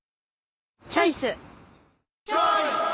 チョイス！